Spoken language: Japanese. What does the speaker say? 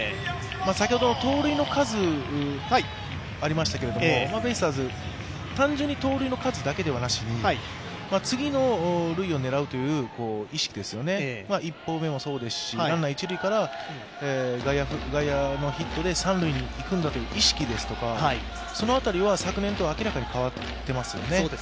先ほど盗塁の数がありましたけど、ベイスターズ、単純に盗塁の数だけではなしに次の塁を狙うという意識、１歩目もそうですし、ランナー一塁から外野のヒットで三塁にいくんだという意識ですとかその辺りは昨年と明らかに変わってますよね。